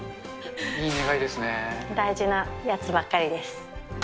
大事なやつばっかりです。